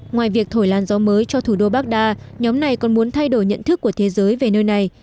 ngoài việc thổi làn gió mới cho thủ đô baghdad nhóm này còn muốn thay đổi nhận thức của thế giới về nơi này